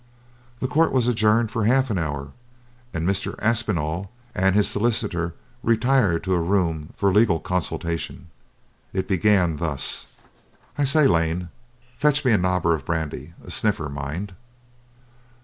The court was adjourned for half an hour, and Mr. Aspinall and his solicitor retired to a room for a legal consultation. It began thus: "I say, Lane, fetch me a nobbler of brandy; a stiffener, mind."